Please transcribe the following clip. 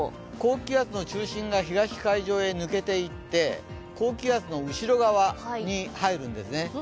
高気圧の中心が東海上へ抜けていって、高気圧の後ろ側に入るんですね。